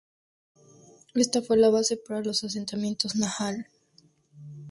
Esta fue la base para los asentamientos Nahal.